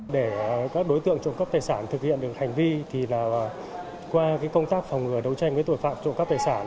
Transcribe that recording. để các đối tượng trộm cắp tài sản thực hiện được hành vi thì qua công tác phòng ngừa đấu tranh với tội phạm trộm cắp tài sản